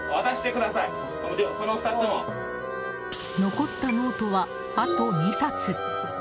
残ったノートは、あと２冊。